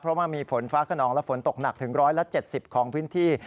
เพราะว่ามีฝนฟ้าขนองและฝนตกหนักถึง๑๗๐ของพื้นที่